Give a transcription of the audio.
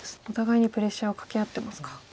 お互いにプレッシャーをかけ合ってますか。